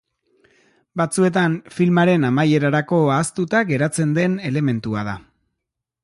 Batzuetan filmaren amaierarako ahaztuta geratzen den elementua da.